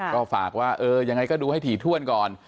ก็ฝากว่าเออยังไงก็ดูให้ถี่ถ้วนก่อน